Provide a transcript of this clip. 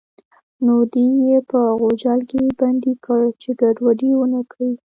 نو دی یې په غوجل کې بندي کړ چې ګډوډي ونه کړي.